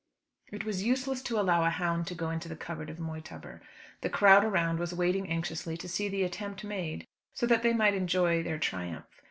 It was useless to allow a hound to go into the covert of Moytubber. The crowd around was waiting anxiously to see the attempt made, so that they might enjoy their triumph.